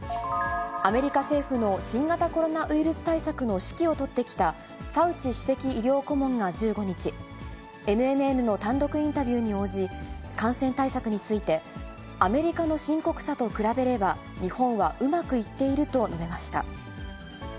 アメリカ政府の新型コロナウイルス対策の指揮を執ってきた、ファウチ首席医療顧問が１５日、ＮＮＮの単独インタビューに応じ、感染対策について、アメリカの深刻さと比べれば日本はうまくいっていると述べました。